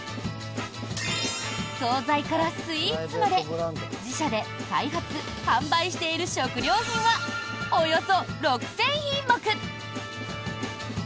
総菜からスイーツまで自社で開発・販売している食料品はおよそ６０００品目！